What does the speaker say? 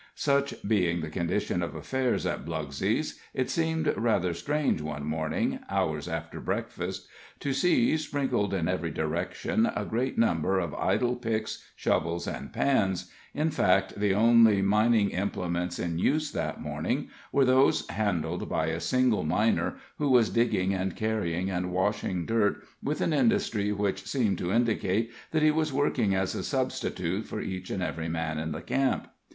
Such being the condition of affairs at Blugsey's, it seemed rather strange one morning, hours after breakfast, to see, sprinkled in every direction, a great number of idle picks, shovels and pans; in fact, the only mining implements in use that morning were those handled by a single miner, who was digging and carrying and washing dirt with an industry which seemed to indicate that he was working as a substitute for each and every man in the camp.